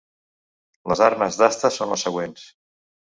Les armes d'asta són les següents.